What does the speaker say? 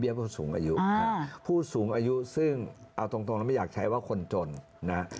ผู้สูงอายุผู้สูงอายุซึ่งเอาตรงแล้วไม่อยากใช้ว่าคนจนนะ